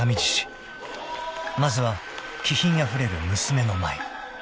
［まずは気品あふれる娘の舞］